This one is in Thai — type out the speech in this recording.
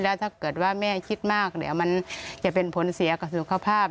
แล้วถ้าเกิดว่าแม่คิดมากเดี๋ยวมันจะเป็นผลเสียกับสุขภาพ